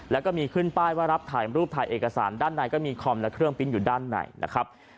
แล้วก็มีขึ้นป้ายว่ารับถ่ายรูปถ่ายเอกสารด้านในก็มีคอมและเครื่องปิ้นอยู่ด้านในนะครับ